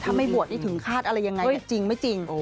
ถ้าไม่บวชนี่ถึงคาดอะไรยังไงจริงไม่จริง